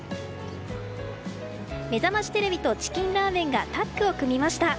「めざましテレビ」とチキンラーメンがタッグを組みました。